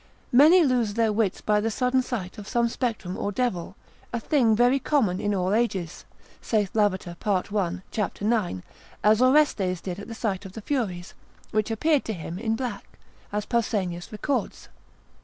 Many lose their wits by the sudden sight of some spectrum or devil, a thing very common in all ages, saith Lavater part 1. cap. 9. as Orestes did at the sight of the Furies, which appeared to him in black (as Pausanias records).